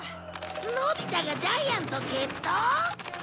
のび太がジャイアンと決闘！？